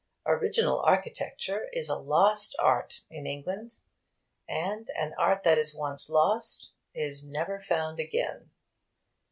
Original architecture is a lost art in England; and an art that is once lost is never found again.